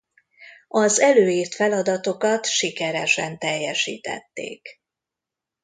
Az előírt feladatokat sikeresen teljesítették.